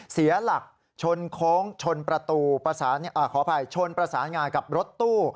เสียหลักชนโค้งชนประตูขออภัยชนประสานงากับรถตู้